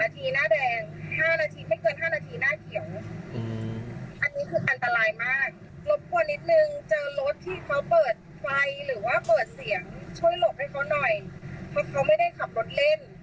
ช่วยหลบให้เขาหน่อยเพราะเขาไม่ได้ขับรถเล่น